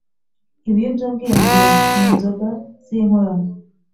Ibiyobyabwenge ni inzoga zi nkorano